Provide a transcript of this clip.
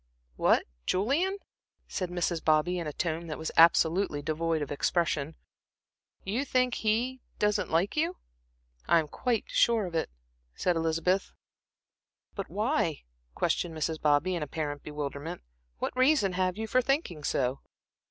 "What, Julian," said Mrs. Bobby, in a tone that was absolutely devoid of expression. "You think he doesn't like you?" "I am quite sure of it," said Elizabeth. "But why," questioned Mrs. Bobby, in apparent bewilderment. "What reason have you for thinking so?"